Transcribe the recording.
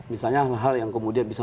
misalnya hal hal yang kemudian bisa